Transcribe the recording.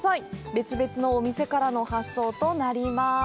別々のお店からの発送になります。